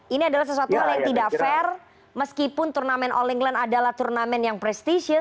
ini adalah sesuatu hal yang tidak fair meskipun turnamen all england adalah turnamen yang prestisius